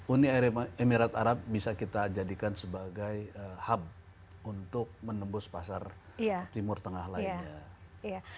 uni emirat arab bisa kita jadikan sebagai hub untuk menembus pasar timur tengah lainnya